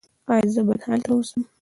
ایا زه باید هلته اوسم؟